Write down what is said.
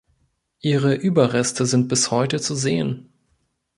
Ihre Überreste sind bis heute zu sehen.